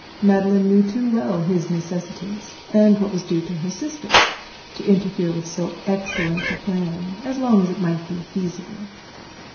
Madeline knew too well the necessities and what was due to her sister to interfere with so excellent a plan, as long as it might be feasible.